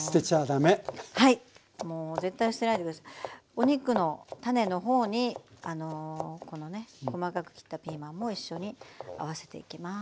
お肉のタネのほうにあのこのね細かく切ったピーマンも一緒に合わせていきます。